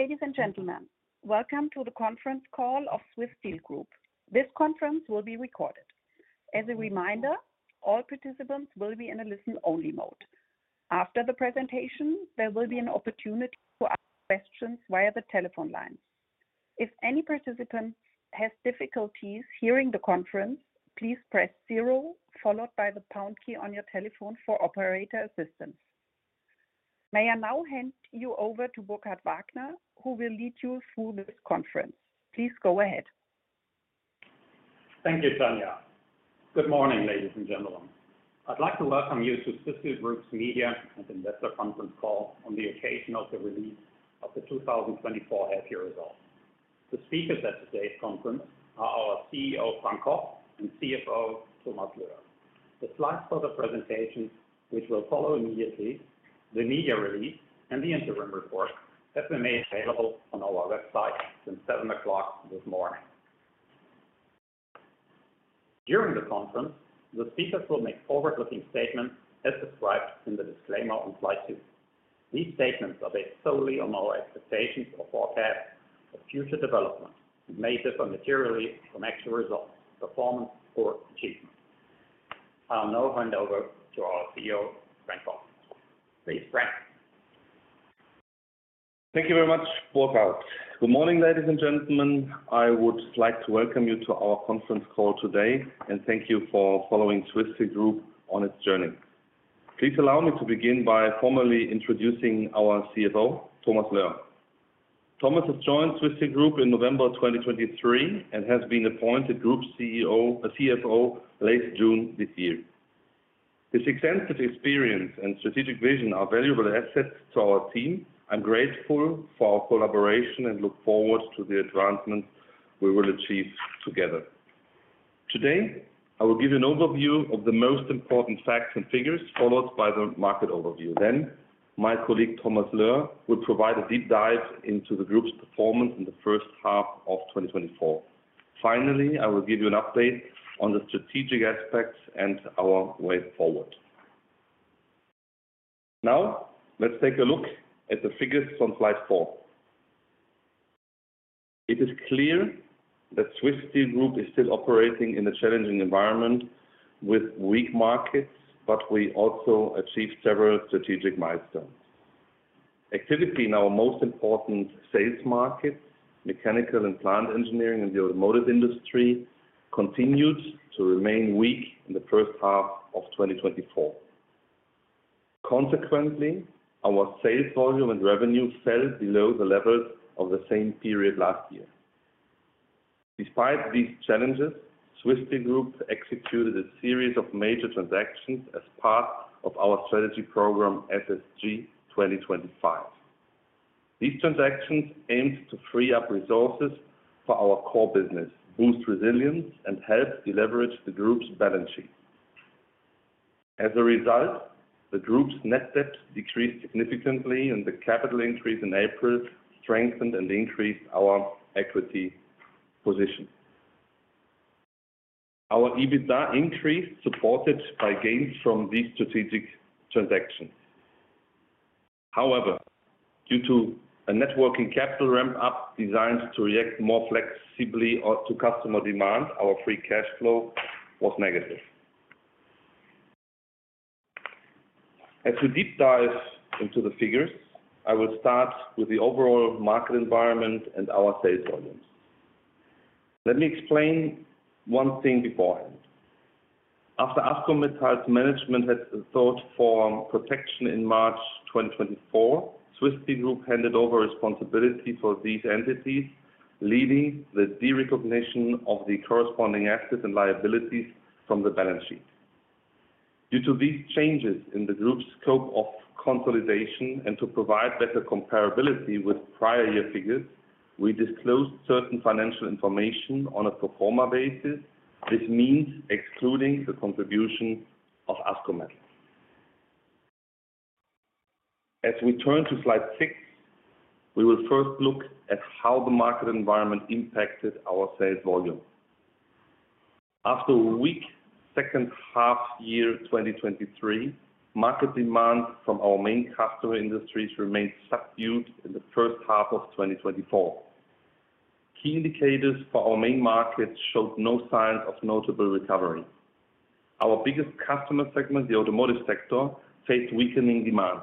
Ladies and gentlemen, welcome to the conference call of Swiss Steel Group. This conference will be recorded. As a reminder, all participants will be in a listen-only mode. After the presentation, there will be an opportunity to ask questions via the telephone lines. If any participant has difficulties hearing the conference, please press zero, followed by the pound key on your telephone for operator assistance. May I now hand you over to Burkhard Wagner, who will lead you through this conference. Please go ahead. Thank you, Tanya. Good morning, ladies and gentlemen. I'd like to welcome you to Swiss Steel Group's Media and Investor Conference Call on the occasion of the release of the 2024 half-year results. The speakers at today's conference are our CEO, Frank Koch, and CFO, Thomas Löhr. The slides for the presentation, which will follow immediately, the media release, and the interim report, have been made available on our website since 7:00AM this morning. During the conference, the speakers will make forward-looking statements as described in the disclaimer on slide two. These statements are based solely on our expectations or forecasts for future development, and may differ materially from actual results, performance, or achievement. I'll now hand over to our CEO, Frank Koch. Please, Frank. Thank you very much, Burkhard. Good morning, ladies and gentlemen. I would like to welcome you to our conference call today, and thank you for following Swiss Steel Group on its journey. Please allow me to begin by formally introducing our CFO, Thomas Löhr. Thomas has joined Swiss Steel Group in November of 2023 and has been appointed group CFO, late June this year. His extensive experience and strategic vision are valuable assets to our team. I'm grateful for our collaboration and look forward to the advancements we will achieve together. Today, I will give you an overview of the most important facts and figures, followed by the market overview. Then, my colleague, Thomas Löhr, will provide a deep dive into the group's performance in the H1 of 2024. Finally, I will give you an update on the strategic aspects and our way forward. Now, let's take a look at the figures on slide four. It is clear that Swiss Steel Group is still operating in a challenging environment with weak markets, but we also achieved several strategic milestones. Activity in our most important sales markets, mechanical and plant engineering, and the automotive industry, continued to remain weak in the H1 of 2024. Consequently, our sales volume and revenue fell below the levels of the same period last year. Despite these challenges, Swiss Steel Group executed a series of major transactions as part of our strategy program, SSG 2025. These transactions aimed to free up resources for our core business, boost resilience, and help deleverage the group's balance sheet. As a result, the group's net debt decreased significantly, and the capital increase in April strengthened and increased our equity position. Our EBITDA increased, supported by gains from these strategic transactions. However, due to a net working capital ramp-up designed to react more flexibly or to customer demand, our free cash flow was negative. As we deep dive into the figures, I will start with the overall market environment and our sales volumes. Let me explain one thing beforehand. After Ascometal's management had sought for protection in March 2024, Swiss Steel Group handed over responsibility for these entities, leading the derecognition of the corresponding assets and liabilities from the balance sheet. Due to these changes in the group's scope of consolidation and to provide better comparability with prior year figures, we disclosed certain financial information on a pro forma basis. This means excluding the contribution of Ascometal. As we turn to slide six, we will first look at how the market environment impacted our sales volume. After a weak H2 year, 2023, market demand from our main customer industries remained subdued in the H1 of 2024. Key indicators for our main markets showed no signs of notable recovery. Our biggest customer segment, the automotive sector, faced weakening demand.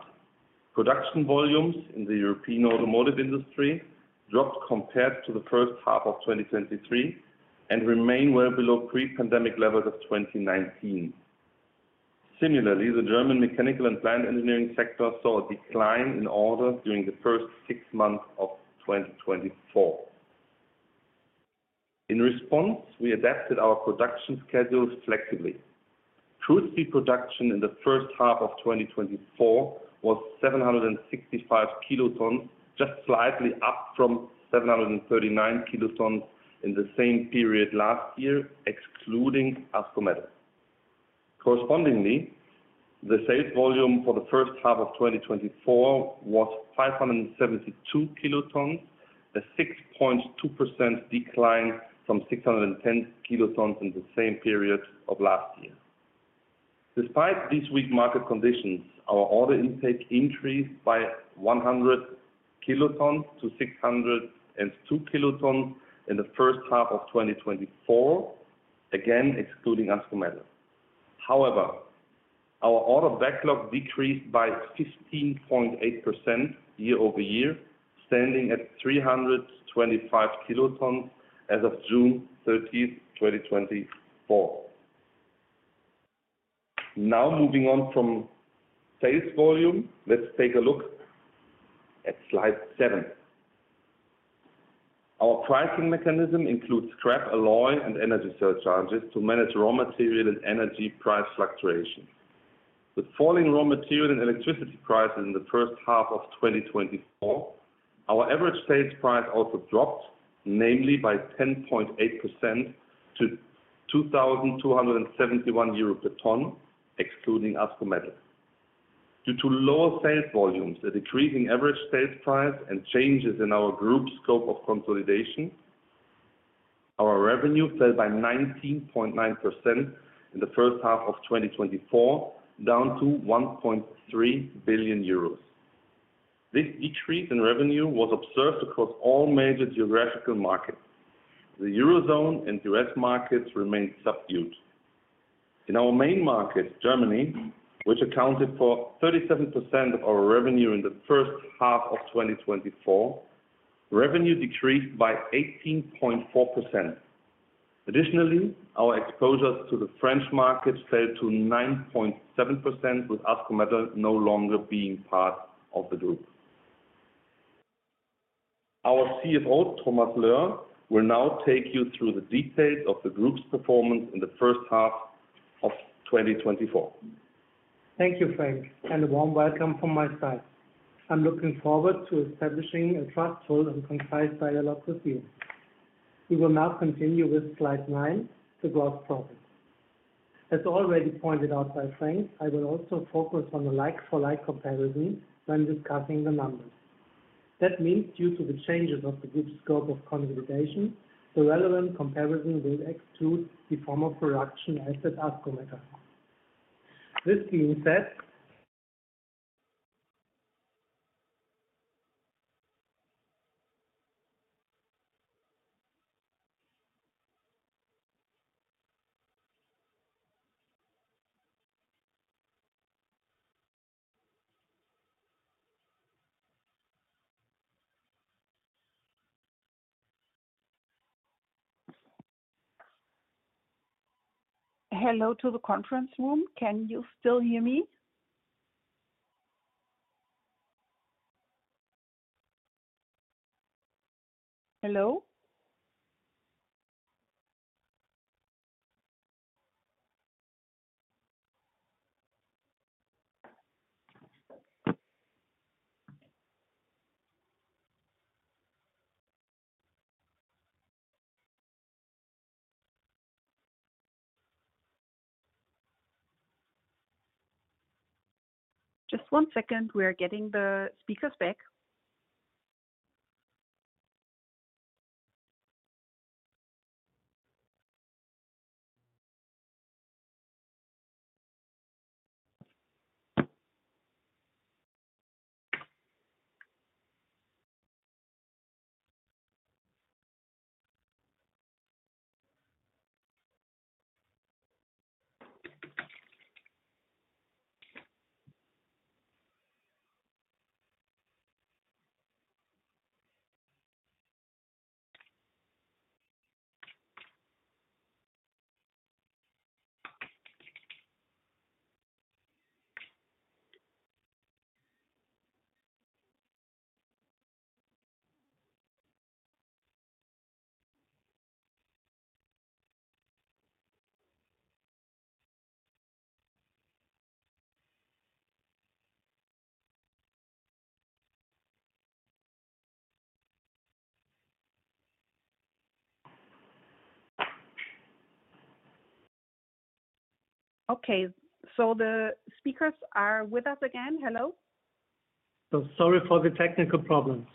Production volumes in the European automotive industry dropped compared to the H1 of 2023, and remain well below pre-pandemic levels of 2019. Similarly, the German mechanical and plant engineering sector saw a decline in orders during the first six months of 2024. In response, we adapted our production schedules flexibly. Crude steel production in the H1 of 2024 was 765kt, just slightly up from 739kt in the same period last year, excluding Ascometal. Correspondingly, the sales volume for the H1 of 2024 was 572kt, a 6.2% decline from 610kt in the same period of last year. Despite this weak market conditions, our order intake increased by 100kt to 602kt in the H1 of 2024, again, excluding Ascometal. However, our order backlog decreased by 15.8% year-over-year, standing at 325kt as of 13 June 2024. Now, moving on from sales volume, let's take a look at slide seven. Our pricing mechanism includes scrap, alloy, and energy surcharges to manage raw material and energy price fluctuations. With falling raw material and electricity prices in the H1 of 2024, our average sales price also dropped, namely by 10.8% to 2,271 euro per ton, excluding Ascometal. Due to lower sales volumes, a decreasing average sales price, and changes in our group's scope of consolidation, our revenue fell by 19.9% in the H1 of 2024, down to 1.3 billion euros. This decrease in revenue was observed across all major geographical markets. The Eurozone and US markets remained subdued. In our main market, Germany, which accounted for 37% of our revenue in the H1 of 2024, revenue decreased by 18.4%. Additionally, our exposure to the French market fell to 9.7%, with Ascometal no longer being part of the group. Our CFO, Thomas Löhr, will now take you through the details of the group's performance in the H1 of 2024. Thank you, Frank, and a warm welcome from my side. I'm looking forward to establishing a truthful and concise dialogue with you. We will now continue with slide nine, the gross profit. As already pointed out by Frank, I will also focus on the like-for-like comparison when discussing the numbers. That means due to the changes of the group's scope of consolidation, the relevant comparison will exclude the former production asset, Ascometal. This means that. Hello to the conference room. Can you still hear me? Hello? Just one second. We are getting the speakers back. Okay, so the speakers are with us again. Hello. So sorry for the technical problems.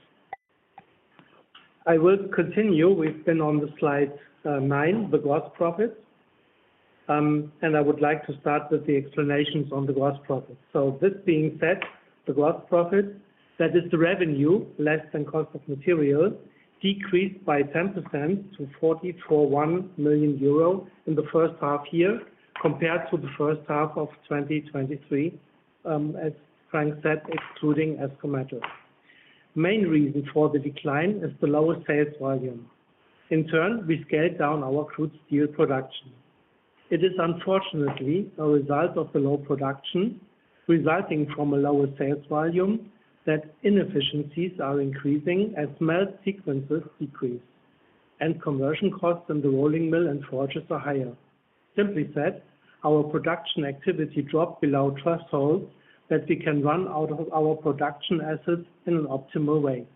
I will continue. We've been on the slide nine, the gross profit, and I would like to start with the explanations on the gross profit. So this being said, the gross profit, that is the revenue less than cost of material, decreased by 10% to 44.1 million euro in the H1 year compared to the H1 of 2023, as Frank said, excluding Ascometal. Main reason for the decline is the lower sales volume. In turn, we scaled down our crude steel production. It is unfortunately a result of the low production, resulting from a lower sales volume, that inefficiencies are increasing as melt sequences decrease, and conversion costs in the rolling mill and forges are higher. Simply said, our production activity dropped below thresholds that we can run our production assets in an optimal way.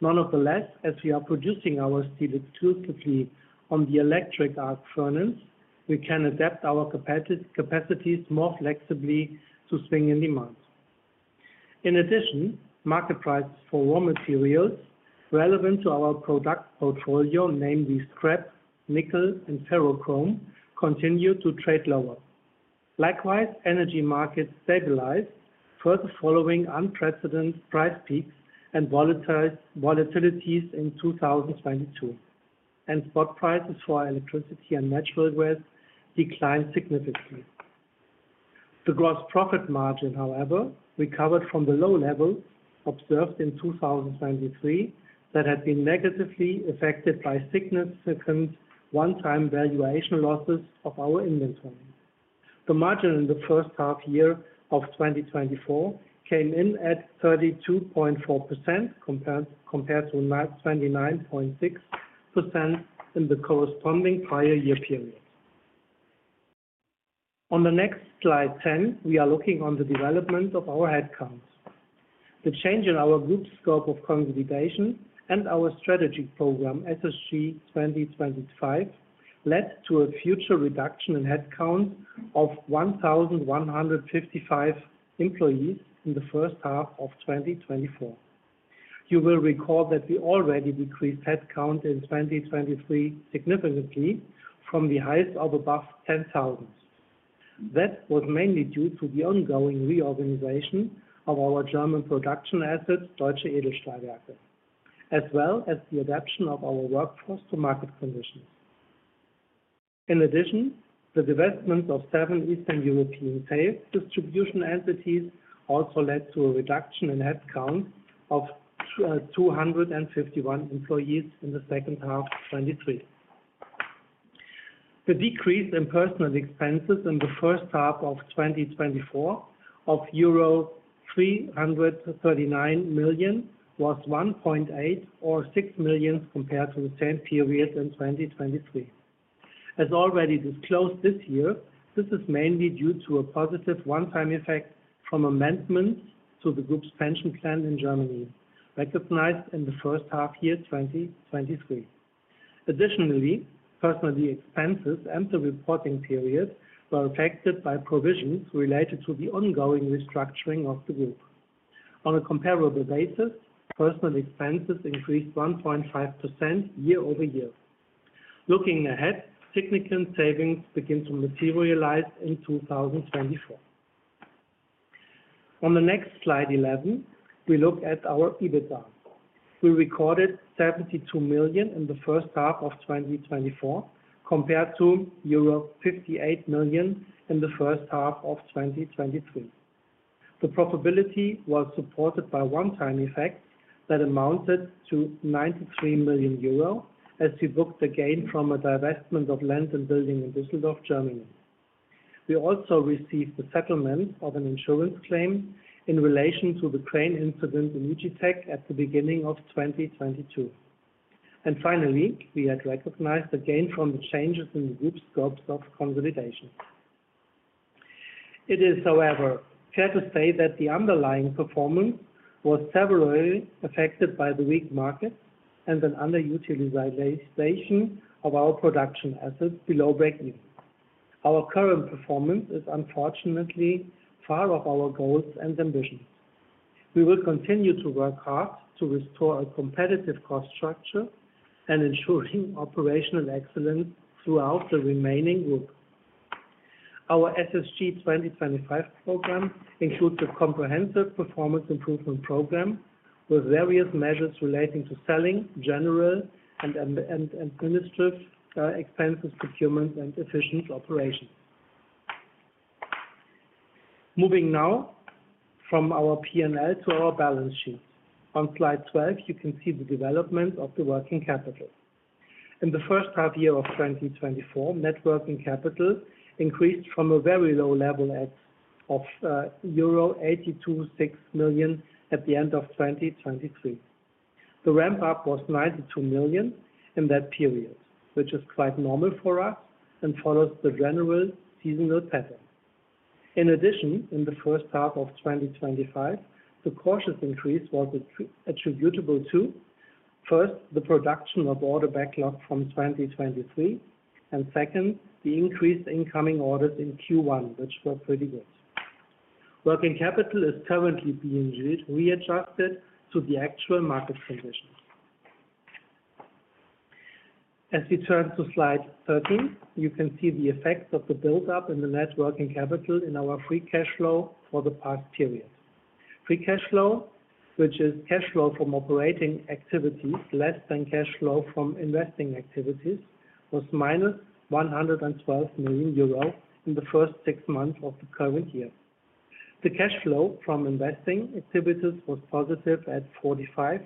Nonetheless, as we are producing our steel exclusively on the electric arc furnace, we can adapt our capacities more flexibly to swings in demand. In addition, market prices for raw materials relevant to our product portfolio, namely scrap, nickel, and ferrochrome, continue to trade lower. Likewise, energy markets stabilized further following unprecedented price peaks and volatilities in 2022, and spot prices for our electricity and natural gas declined significantly. The gross profit margin, however, recovered from the low levels observed in 2023 that had been negatively affected by significant one-time valuation losses of our inventory. The margin in the H1 year of 2024 came in at 32.4%, compared to 29.6% in the corresponding prior year period. On the next slide 10, we are looking on the development of our headcount. The change in our group's scope of consolidation and our strategy program, SSG 2025, led to a future reduction in headcount of 1,155 employees in the H1 of 2024. You will recall that we already decreased headcount in 2023 significantly from the highs of above 10,000. That was mainly due to the ongoing reorganization of our German production assets, Deutsche Edelstahlwerke, as well as the adaptation of our workforce to market conditions. In addition, the divestment of seven Eastern European sales distribution entities also led to a reduction in headcount of 251 employees in the H2 of 2023. The decrease in personnel expenses in the H1 of 2024, of euro 339 million, was 1.86 million compared to the same period in 2023. As already disclosed this year, this is mainly due to a positive one-time effect from amendment to the group's pension plan in Germany, recognized in the H1 year, 2023. Additionally, personnel expenses in the reporting period were affected by provisions related to the ongoing restructuring of the group. On a comparable basis, personnel expenses increased 1.5% year-over-year. Looking ahead, significant savings begin to materialize in 2024. On the next slide 11, we look at our EBITDA. We recorded 72 million in the H1 of 2024, compared to euro 58 million in the H1 of 2023. The profitability was supported by one-time effects that amounted to 93 million euro, as we booked a gain from a divestment of land and building in Düsseldorf, Germany. We also received the settlement of an insurance claim in relation to the crane incident in Ugitech at the beginning of 2022. And finally, we had recognized the gain from the changes in the group's scope of consolidation. It is, however, fair to say that the underlying performance was severely affected by the weak market and an underutilization of our production assets below breakeven. Our current performance is unfortunately far off our goals and ambitions. We will continue to work hard to restore a competitive cost structure and ensuring operational excellence throughout the remaining group. Our SSG 2025 program includes a comprehensive performance improvement program, with various measures relating to selling, general, and administrative expenses, procurement, and efficient operations. Moving now from our PNL to our balance sheet. On slide 12, you can see the development of the working capital. In the H1 year of 2024, net working capital increased from a very low level of euro 82.6 million at the end of 2023. The ramp up was 92 million in that period, which is quite normal for us, and follows the general seasonal pattern. In addition, in the H1 of 2025, the cautious increase was attributable to, first, the production of order backlog from 2023, and second, the increased incoming orders in Q1, which were pretty good. Working capital is currently being readjusted to the actual market conditions. As we turn to slide 13, you can see the effects of the build-up in the net working capital in our free cash flow for the past period. Free cash flow, which is cash flow from operating activities, less than cash flow from investing activities, was minus 112 million euros in the first six months of the current year. The cash flow from investing activities was positive at 45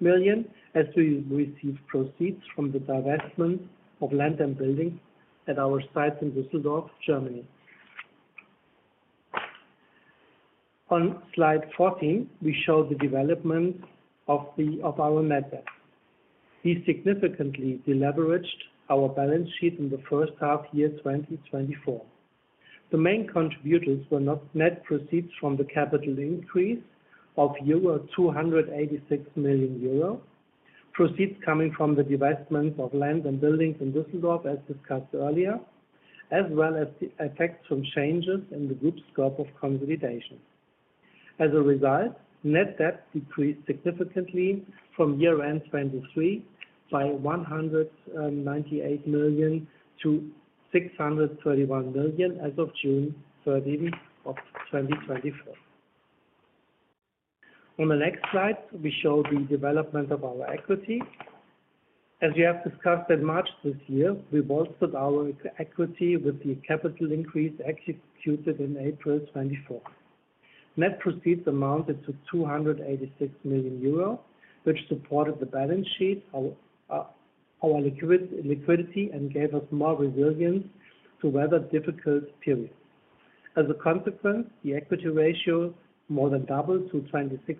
million, as we received proceeds from the divestment of land and buildings at our site in Düsseldorf, Germany. On slide 14, we show the development of our net debt. We significantly deleveraged our balance sheet in the H1 year, 2024. The main contributors were net proceeds from the capital increase of 286 million euro. Proceeds from the divestment of land and buildings in Düsseldorf, as discussed earlier, as well as the effects from changes in the group's scope of consolidation. As a result, net debt decreased significantly from year-end 2023 by 198 million to 631 million as of 30 June 2024. On the next slide, we show the development of our equity. As we have discussed in March this year, we bolstered our equity with the capital increase executed in April 2024. Net proceeds amounted to 286 million euro, which supported the balance sheet, our liquidity, and gave us more resilience to weather difficult periods. As a consequence, the equity ratio more than doubled to 26.6%.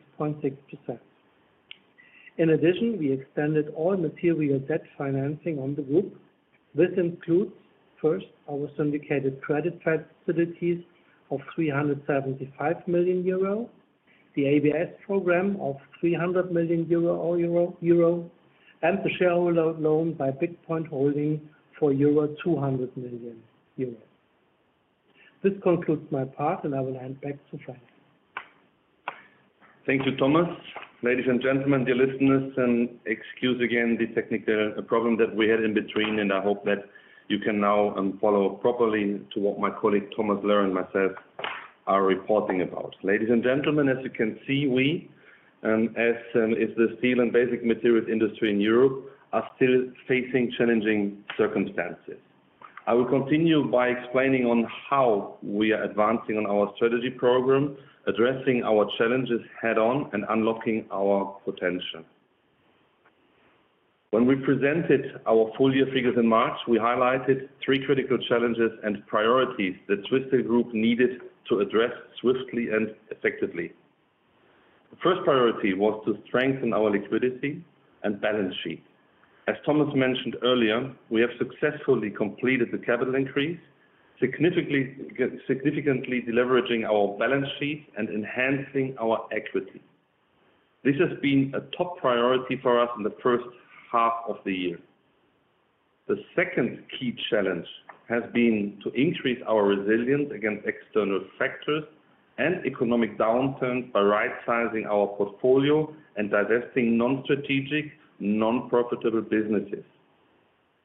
In addition, we extended all material debt financing on the group. This includes, first, our syndicated credit facilities of 375 million euro, the ABS program of 300 million euro, all euro, and the shareholder loan by BigPoint Holding for 200 million euro. This concludes my part, and I will hand back to Frank. Thank you, Thomas. Ladies and gentlemen, dear listeners, and excuse again, the technical problem that we had in between, and I hope that you can now follow properly to what my colleague, Thomas Löhr, and myself are reporting about. Ladies and gentlemen, as you can see, we, as, is the steel and basic material industry in Europe, are still facing challenging circumstances. I will continue by explaining on how we are advancing on our strategy program, addressing our challenges head-on and unlocking our potential. When we presented our full year figures in March, we highlighted three critical challenges and priorities the Swiss Steel Group needed to address swiftly and effectively. The first priority was to strengthen our liquidity and balance sheet. As Thomas mentioned earlier, we have successfully completed the capital increase, significantly, significantly deleveraging our balance sheet and enhancing our equity. This has been a top priority for us in the H1 of the year. The second key challenge has been to increase our resilience against external factors and economic downturn by right-sizing our portfolio and divesting non-strategic, non-profitable businesses.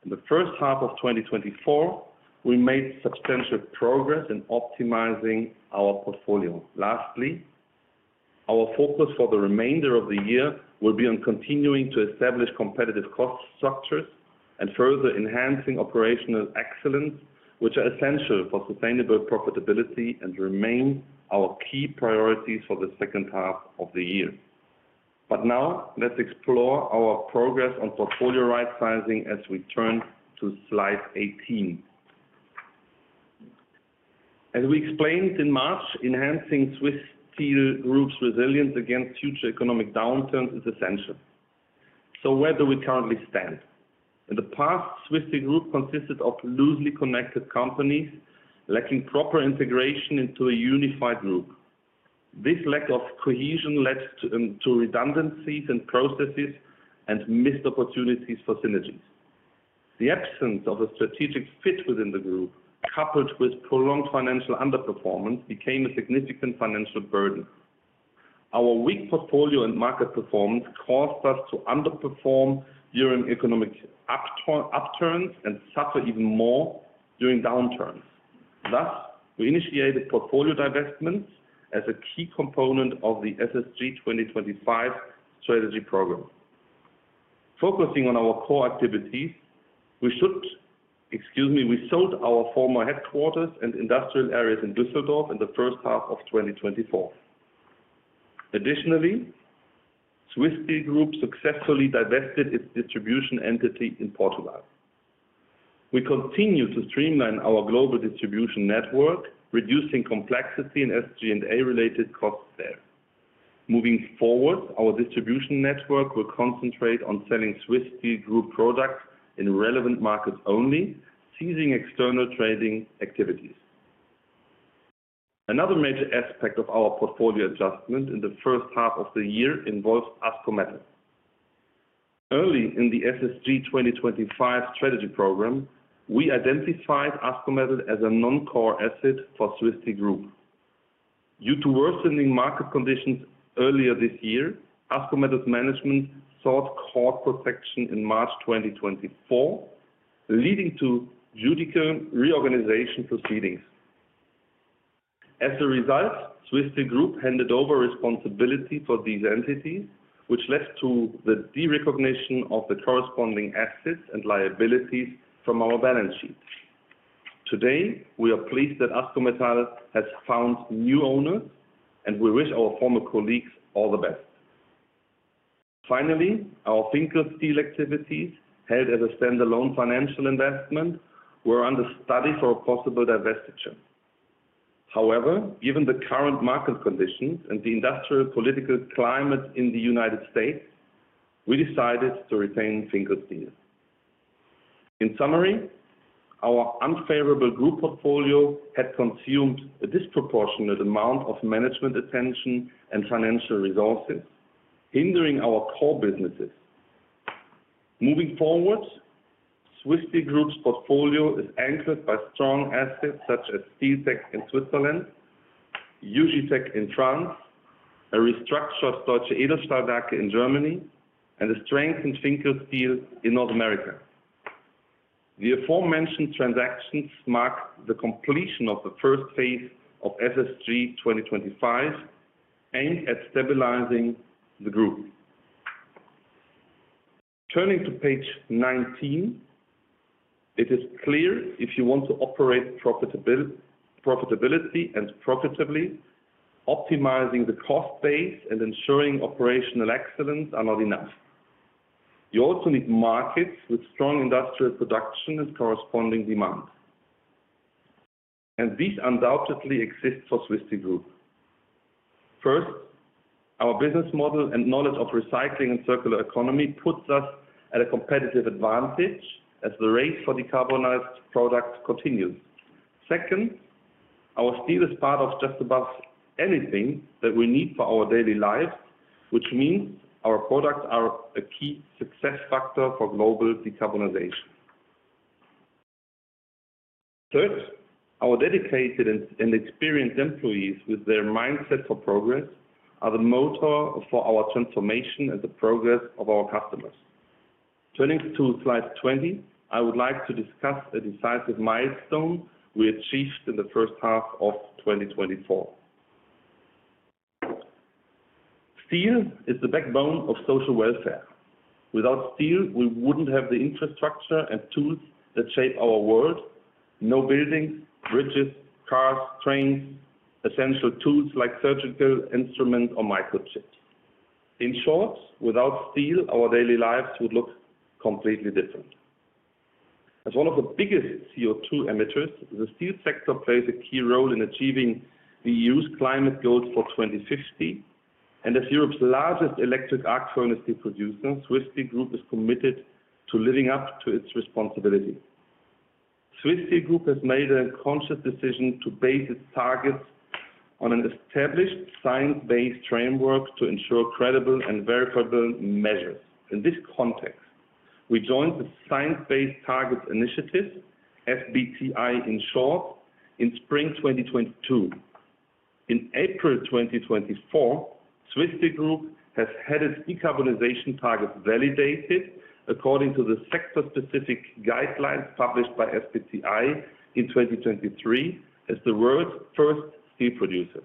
In the H1 of 2024, we made substantial progress in optimizing our portfolio. Lastly, our focus for the remainder of the year will be on continuing to establish competitive cost structures and further enhancing operational excellence, which are essential for sustainable profitability and remain our key priorities for the H2 of the year. But now, let's explore our progress on portfolio right-sizing as we turn to slide 18. As we explained in March, enhancing Swiss Steel Group's resilience against future economic downturns is essential. So where do we currently stand? In the past, Swiss Steel Group consisted of loosely connected companies, lacking proper integration into a unified group. This lack of cohesion led to redundancies and processes and missed opportunities for synergies. The absence of a strategic fit within the group, coupled with prolonged financial underperformance, became a significant financial burden. Our weak portfolio and market performance caused us to underperform during economic upturns and suffer even more during downturns. Thus, we initiated portfolio divestments as a key component of the SSG 2025 strategy program. Focusing on our core activities, we sold our former headquarters and industrial areas in Düsseldorf in the H1 of 2024. Additionally, Swiss Steel Group successfully divested its distribution entity in Portugal. We continue to streamline our global distribution network, reducing complexity in SG&A-related costs there. Moving forward, our distribution network will concentrate on selling Swiss Steel Group products in relevant markets only, ceasing external trading activities. Another major aspect of our portfolio adjustment in the H1 of the year involves Ascometal. Early in the SSG 2025 strategy program, we identified Ascometal as a non-core asset for Swiss Steel Group. Due to worsening market conditions earlier this year, Ascometal's management sought court protection in March 2024, leading to judicial reorganization proceedings. As a result, Swiss Steel Group handed over responsibility for these entities, which led to the derecognition of the corresponding assets and liabilities from our balance sheet. Today, we are pleased that Ascometal has found new owners, and we wish our former colleagues all the best. Finally, our Finkl Steel activities, held as a standalone financial investment, were under study for a possible divestiture. However, given the current market conditions and the industrial political climate in the United States, we decided to retain Finkl Steel. In summary, our unfavourable group portfolio had consumed a disproportionate amount of management attention and financial resources, hindering our core businesses. Moving forward, Swiss Steel Group's portfolio is anchored by strong assets such as Steeltec in Switzerland, Ugitech in France, a restructured Deutsche Edelstahlwerke in Germany, and a strengthened Finkl Steel in North America. The aforementioned transactions mark the completion of the first phase of SSG 2025, aimed at stabilizing the group. Turning to page 19, it is clear if you want to operate profitability, profitability, and profitably, optimizing the cost base and ensuring operational excellence are not enough. You also need markets with strong industrial production and corresponding demand, and these undoubtedly exist for Swiss Steel Group. First, our business model and knowledge of recycling and circular economy puts us at a competitive advantage as the race for decarbonized products continues. Second, our steel is part of just about anything that we need for our daily lives, which means our products are a key success factor for global decarbonization. Third, our dedicated and experienced employees, with their mindset for progress, are the motor for our transformation and the progress of our customers. Turning to slide 20, I would like to discuss a decisive milestone we achieved in the H1 of 2024. Steel is the backbone of social welfare. Without steel, we wouldn't have the infrastructure and tools that shape our world. No buildings, bridges, cars, trains, essential tools like surgical instruments or microchips. In short, without steel, our daily lives would look completely different. As one of the biggest CO2 emitters, the steel sector plays a key role in achieving the EU's climate goals for 2050, and as Europe's largest Electric Arc Furnace steel producer, Swiss Steel Group is committed to living up to its responsibility. Swiss Steel Group has made a conscious decision to base its targets on an established science-based framework to ensure credible and verifiable measures. In this context, we joined the Science Based Targets initiative, SBTi in short, in spring 2022. In April 2024, Swiss Steel Group has had its decarbonization target validated according to the sector-specific guidelines published by SBTi in 2023, as the world's first steel producer.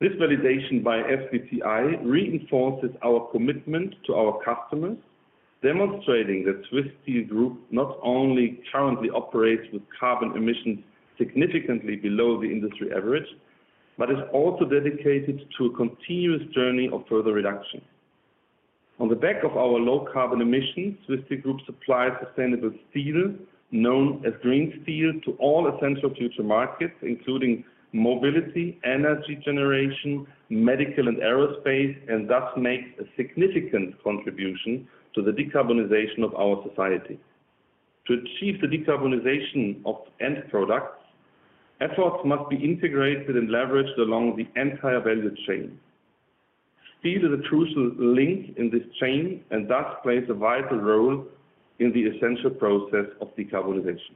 This validation by SBTi reinforces our commitment to our customers, demonstrating that Swiss Steel Group not only currently operates with carbon emissions significantly below the industry average, but is also dedicated to a continuous journey of further reduction. On the back of our low carbon emissions, Swiss Steel Group supplies sustainable steel, known as Green Steel, to all essential future markets, including mobility, energy generation, medical, and aerospace, and thus makes a significant contribution to the decarbonization of our society. To achieve the decarbonization of end products, efforts must be integrated and leveraged along the entire value chain. Steel is a crucial link in this chain and thus plays a vital role in the essential process of decarbonization.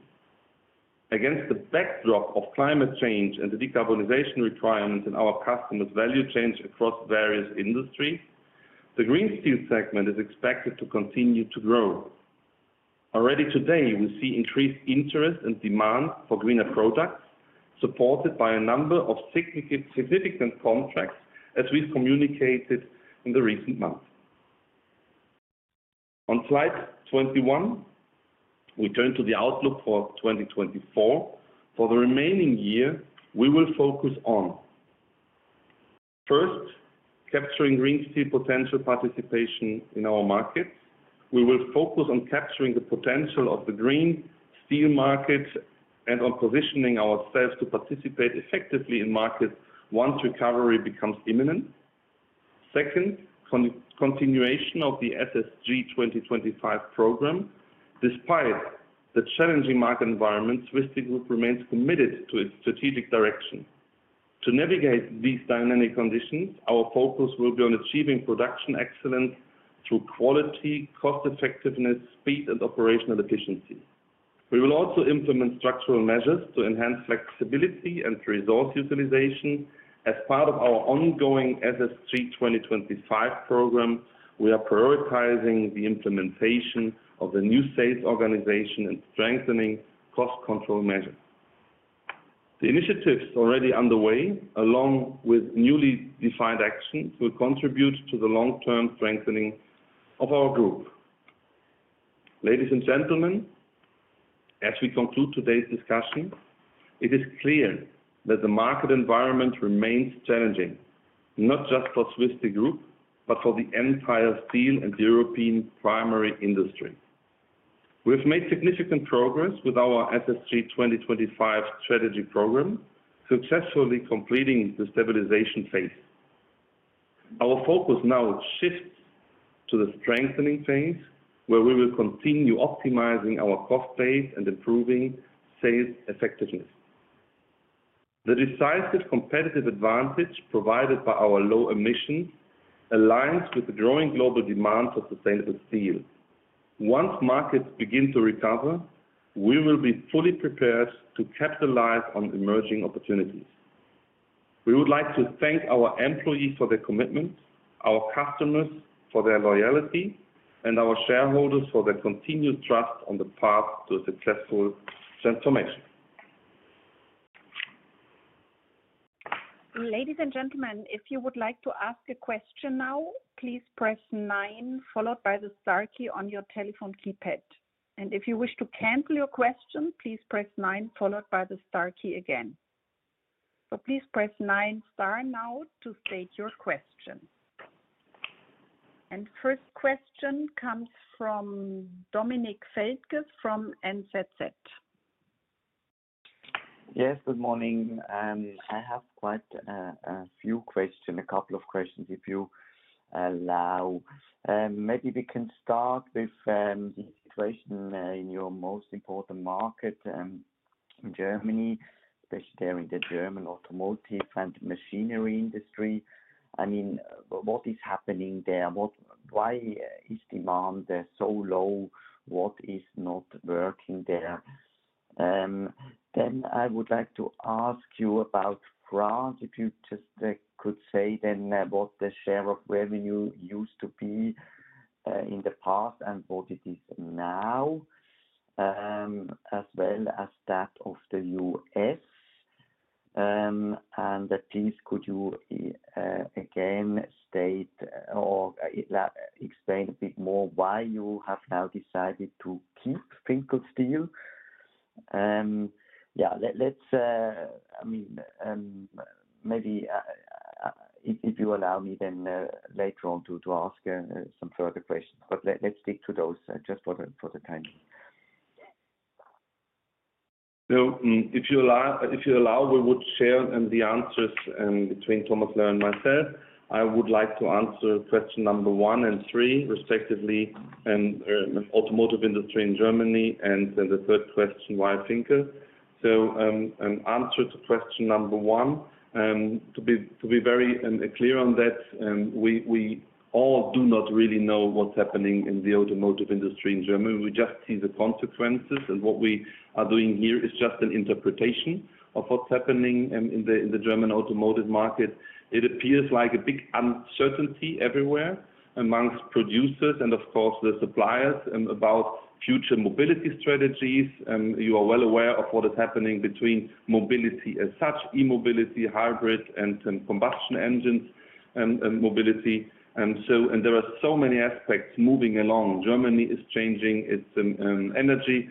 Against the backdrop of climate change and the decarbonization requirements in our customers' value chains across various industries, the Green Steel segment is expected to continue to grow. Already today, we see increased interest and demand for greener products, supported by a number of significant, significant contracts, as we've communicated in the recent months. On slide 21, we turn to the outlook for 2024. For the remaining year, we will focus on, first, capturing green steel potential participation in our markets. We will focus on capturing the potential of the green steel market and on positioning ourselves to participate effectively in markets once recovery becomes imminent. Second, continuation of the SSG 2025 program. Despite the challenging market environment, Swiss Steel Group remains committed to its strategic direction. To navigate these dynamic conditions, our focus will be on achieving production excellence through quality, cost effectiveness, speed, and operational efficiency. We will also implement structural measures to enhance flexibility and resource utilization. As part of our ongoing SSG 2025 program, we are prioritizing the implementation of the new sales organization and strengthening cost control measures. The initiatives already underway, along with newly defined actions, will contribute to the long-term strengthening of our group. Ladies and gentlemen, as we conclude today's discussion, it is clear that the market environment remains challenging, not just for Swiss Steel Group, but for the entire steel and European primary industry. We've made significant progress with our SSG 2025 strategy program, successfully completing the stabilization phase. Our focus now shifts to the strengthening phase, where we will continue optimizing our cost base and improving sales effectiveness. The decisive competitive advantage provided by our low emissions, aligns with the growing global demand for sustainable steel. Once markets begin to recover, we will be fully prepared to capitalize on emerging opportunities. We would like to thank our employees for their commitment, our customers for their loyalty, and our shareholders for their continued trust on the path to a successful transformation. Ladies and gentlemen, if you would like to ask a question now, please press nine followed by the star key on your telephone keypad. And if you wish to cancel your question, please press nine followed by the star key again. So please press nine star now to state your question. And first question comes from Dominik Feldges from NZZ. Yes, good morning. I have quite a few questions, a couple of questions, if you allow. Maybe we can start with the situation in your most important market in Germany, especially during the German automotive and machinery industry. I mean, what is happening there? What? Why is demand there so low? What is not working there? Then I would like to ask you about France, if you just could say then what the share of revenue used to be in the past and what it is now, as well as that of the US and please could you again state or explain a bit more why you have now decided to keep Finkl Steel? Yeah, I mean, maybe if you allow me, then later on to ask some further questions, but let's stick to those just for the time. So, if you allow, we would share the answers between Thomas Löhr and myself. I would like to answer question number one and three, respectively, and automotive industry in Germany, and then the third question, why Finkl? So, an answer to question number one, to be very clear on that, we all do not really know what's happening in the automotive industry in Germany. We just see the consequences, and what we are doing here is just an interpretation of what's happening in the German automotive market. It appears like a big uncertainty everywhere amongst producers and of course, the suppliers about future mobility strategies. You are well aware of what is happening between mobility as such, e-mobility, hybrid, and combustion engines, mobility. There are so many aspects moving along. Germany is changing its energy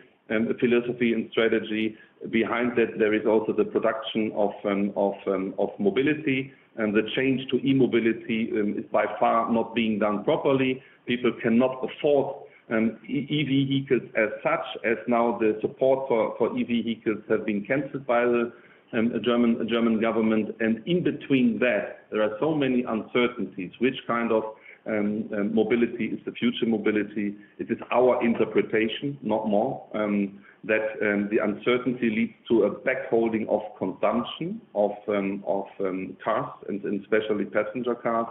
philosophy and strategy. Behind that, there is also the production of mobility, and the change to e-mobility is by far not being done properly. People cannot afford EV vehicles as such, as now the support for EV vehicles has been cancelled by the German government. And in between that, there are so many uncertainties. Which kind of mobility is the future mobility? It is our interpretation, not more, that the uncertainty leads to a back holding of consumption of cars, and especially passenger cars.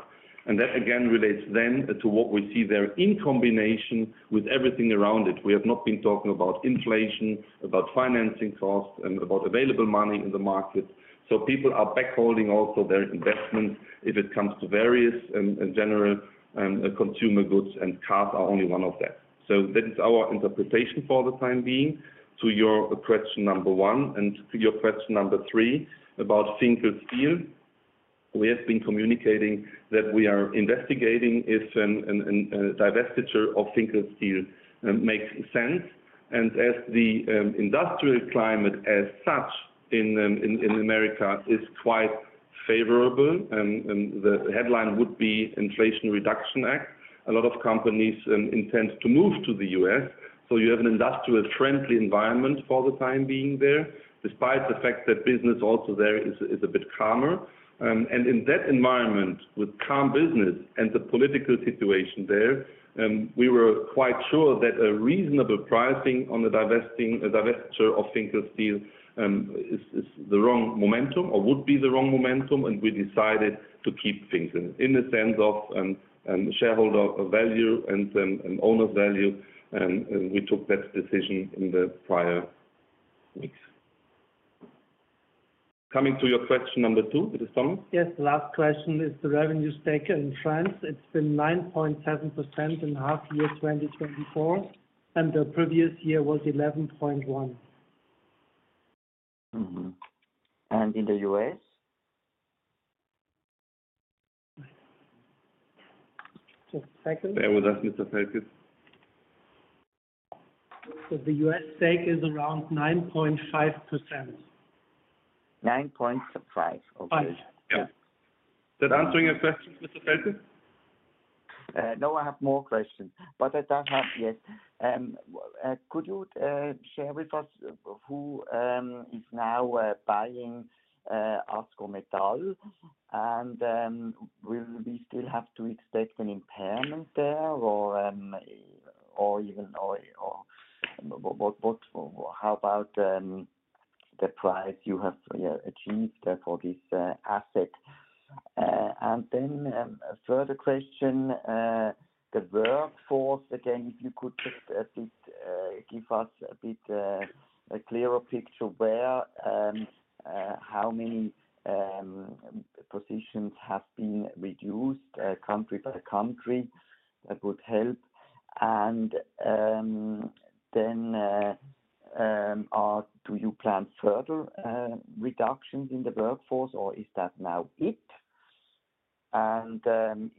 And that, again, relates then to what we see there in combination with everything around it. We have not been talking about inflation, about financing costs, and about available money in the market. So people are back holding also their investments if it comes to various, and general, consumer goods, and cars are only one of them. So that is our interpretation for the time being. To your question number one, and to your question number three about Finkl Steel. We have been communicating that we are investigating if a divestiture of Finkl Steel makes sense. And as the industrial climate as such in America is quite favourable, and the headline would be Inflation Reduction Act. A lot of companies intend to move to the US, so you have an industrial-friendly environment for the time being there, despite the fact that business also there is a bit calmer. And in that environment, with calm business and the political situation there, we were quite sure that a reasonable pricing on the divesting, divestiture of Finkl Steel, is the wrong momentum or would be the wrong momentum, and we decided to keep things in the sense of, shareholder value and owner value, and we took that decision in the prior weeks. Coming to your question number two, is it Thomas? Yes, the last question is the revenue stake in France. It's been 9.7% in half year 2024, and the previous year was 11.1%. Mm-hmm. And in the US? Just a second. Bear with us, Mr. Feldges. The US stake is around 9.5%. 9.5%. Okay. 5, yeah. Is that answering your question, Mr. Feldges? No, I have more questions, but I does help, yes. Could you share with us who is now buying Ascometal? And, will we still have to expect an impairment there, or even or, or, what, how about the price you have achieved for this asset? And then, a further question, the workforce, again, if you could please give us a bit a clearer picture where how many positions have been reduced country by country, that would help. And then, do you plan further reductions in the workforce, or is that now it? And,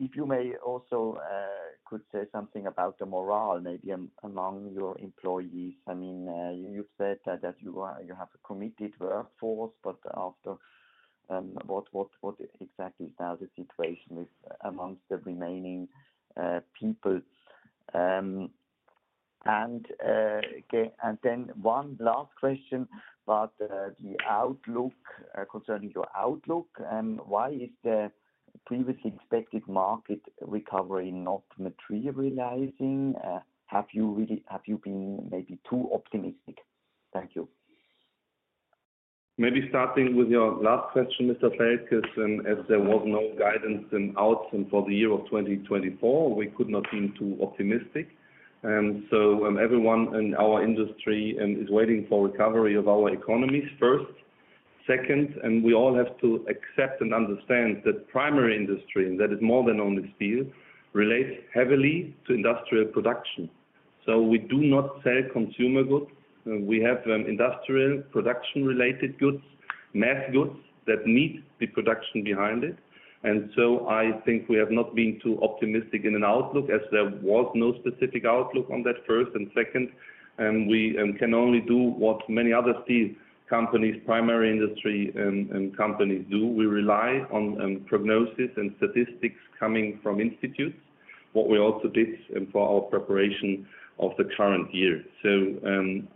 if you may also could say something about the morale, maybe among your employees. I mean, you've said that you are, you have a committed workforce, but after, what exactly is now the situation among the remaining people? And okay, and then one last question about the outlook, concerning your outlook, why is the previously expected market recovery not materializing? Have you really, have you been maybe too optimistic? Thank you. Maybe starting with your last question, Mr. Feldges, and as there was no guidance and out, and for the year of 2024, we could not been too optimistic. So, everyone in our industry is waiting for recovery of our economies first. Second, and we all have to accept and understand that primary industry, and that is more than on the steel, relates heavily to industrial production. So we do not sell consumer goods. We have, industrial production-related goods, mass goods, that meet the production behind it. And so I think we have not been too optimistic in an outlook, as there was no specific outlook on that first and second. And we can only do what many other steel companies, primary industry, and companies do. We rely on prognosis and statistics coming from institutes. What we also did, and for our preparation of the current year.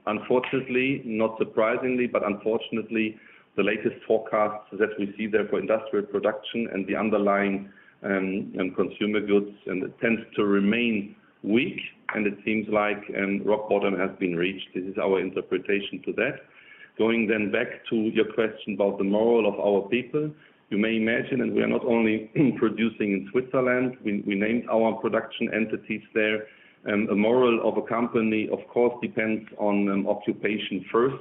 Unfortunately, not surprisingly, but unfortunately, the latest forecasts that we see there for industrial production and the underlying consumer goods, and it tends to remain weak, and it seems like rock bottom has been reached. This is our interpretation to that. Going then back to your question about the morale of our people. You may imagine, and we are not only producing in Switzerland, we named our production entities there. The morale of a company, of course, depends on occupation first,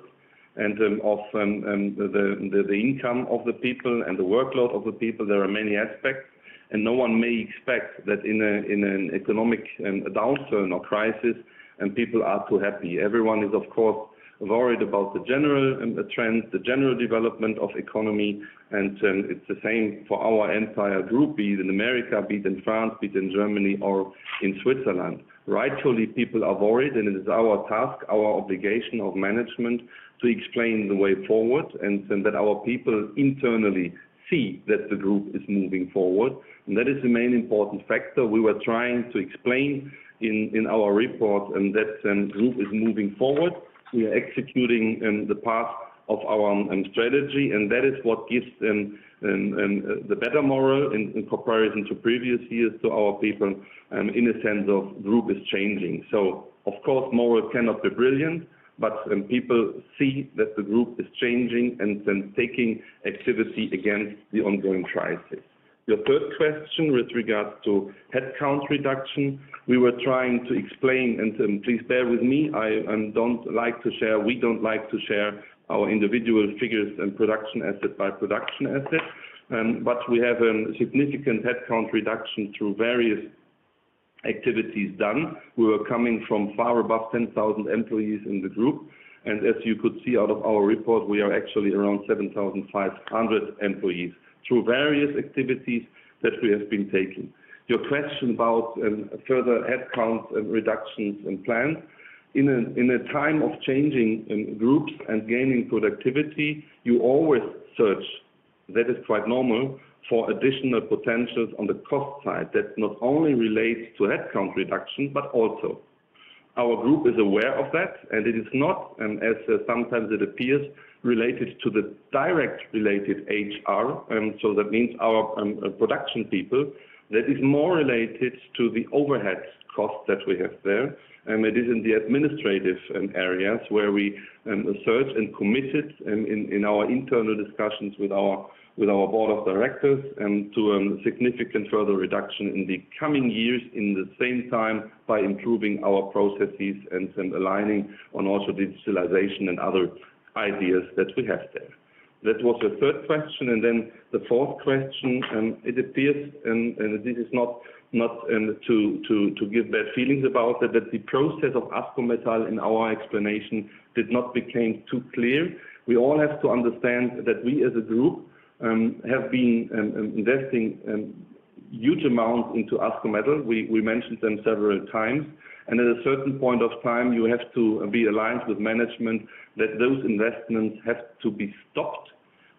and of the income of the people and the workload of the people. There are many aspects, and no one may expect that in an economic downturn or crisis, and people are too happy. Everyone is, of course, worried about the general trends, the general development of economy, and it's the same for our entire group, be it in America, be it in France, be it in Germany or in Switzerland. Rightfully, people are worried, and it is our task, our obligation of management, to explain the way forward, and so that our people internally see that the group is moving forward. And that is the main important factor we were trying to explain in our report, and that group is moving forward. We are executing the path of our strategy, and that is what gives the better morale in comparison to previous years to our people in a sense of group is changing. So of course, morale cannot be brilliant, but, people see that the group is changing and then taking activity against the ongoing crisis. Your third question with regards to headcount reduction, we were trying to explain, and, please bear with me, I don't like to share, we don't like to share our individual figures and production asset by production asset. But we have, significant headcount reduction through various activities done. We were coming from far above 10,000 employees in the group, and as you could see out of our report, we are actually around 7,500 employees through various activities that we have been taking. Your question about, further headcounts and reductions and plans. In a time of changing, groups and gaining productivity, you always search, that is quite normal, for additional potentials on the cost side. That not only relates to headcount reduction, but also our group is aware of that, and it is not, as sometimes it appears, related to the direct related HR. So that means our production people, that is more related to the overhead costs that we have there. And it is in the administrative areas where we search and committed in our internal discussions with our board of directors to significant further reduction in the coming years. In the same time, by improving our processes and aligning on also digitalization and other ideas that we have there. That was the third question, and then the fourth question, it appears, and this is not to give bad feelings about it, that the process of Ascometal in our explanation did not became too clear. We all have to understand that we, as a group, have been investing huge amounts into Ascometal. We mentioned them several times, and at a certain point of time, you have to be aligned with management that those investments have to be stopped.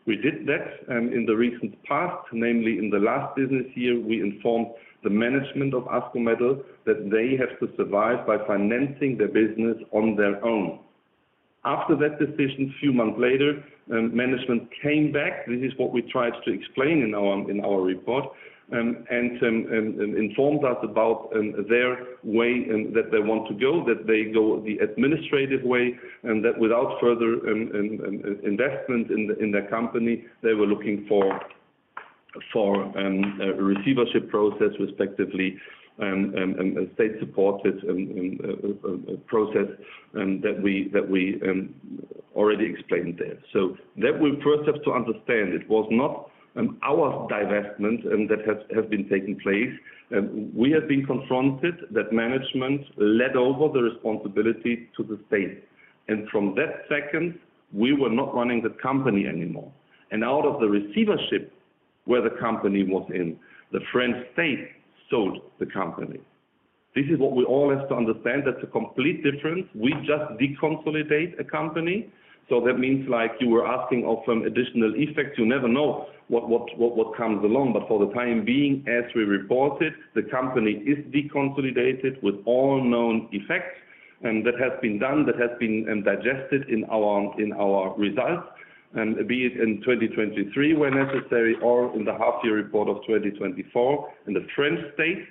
We did that in the recent past, namely, in the last business year, we informed the management of Ascometal that they have to survive by financing their business on their own. After that decision, a few months later, management came back. This is what we tried to explain in our report, and informed us about their way and that they want to go, that they go the administrative way, and that without further investment in the company, they were looking for a receivership process, respectively, a state-supported process, that we already explained there. So that we first have to understand. It was not our divestment and that has been taking place. We have been confronted that management handed over the responsibility to the state, and from that second, we were not running the company anymore. Out of the receivership where the company was in, the French state sold the company. This is what we all have to understand. That's a complete difference. We just deconsolidate a company, so that means, like, you were asking of some additional effects. You never know what comes along, but for the time being, as we reported, the company is deconsolidated with all known effects, and that has been done, that has been digested in our results, and be it in 2023, where necessary, or in the half-year report of 2024. The French state,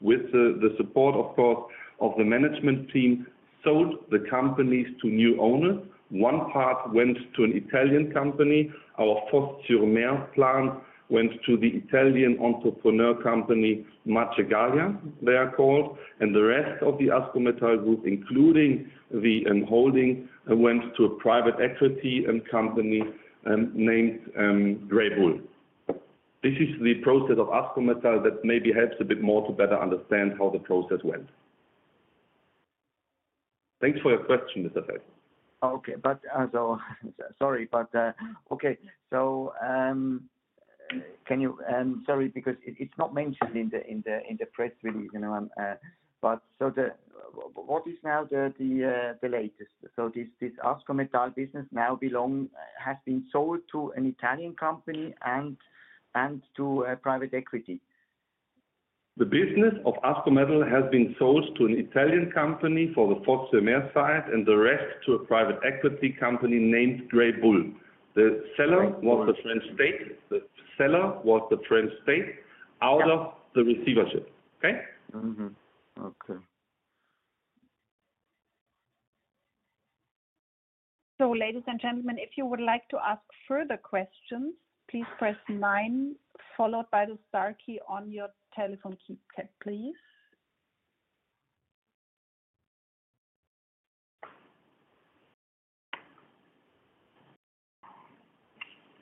with the support, of course, of the management team, sold the companies to new owners. One part went to an Italian company. Our Fos-sur-Mer plant went to the Italian entrepreneur company, Marcegaglia, they are called, and the rest of the Ascometal group, including the holding, went to a private equity company named Greybull. This is the process of Ascometal that maybe helps a bit more to better understand how the process went. Thanks for your question, Mr. Feldges. Okay, but so sorry, but okay. So, can you, sorry, because it's not mentioned in the press release, you know, but so what is now the latest? So this Ascometal business now belong, has been sold to an Italian company and to a private equity. The business of Ascometal has been sold to an Italian company for the Fos-sur-Mer site and the rest to a private equity company named Greybull. The seller was the French state. The seller was the French state out of the receivership. Okay? Mm-hmm. Okay. So, ladies and gentlemen, if you would like to ask further questions, please press nine, followed by the star key on your telephone keypad, please.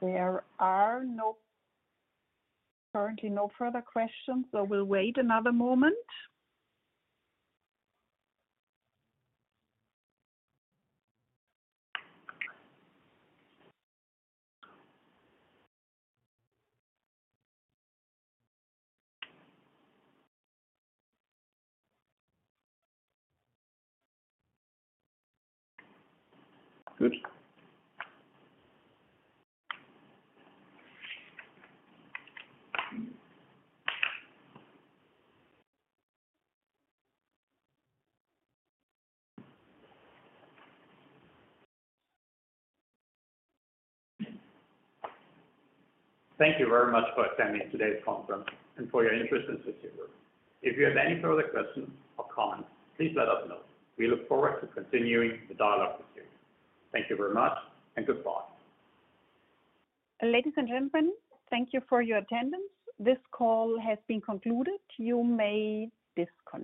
There are currently no further questions, so we'll wait another moment. Good. Thank you very much for attending today's conference and for your interest in Swiss Steel Group. If you have any further questions or comments, please let us know. We look forward to continuing the dialogue with you. Thank you very much and goodbye. Ladies and gentlemen, thank you for your attendance. This call has been concluded. You may disconnect.